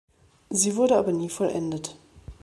Sie wurde aber nie vollendet.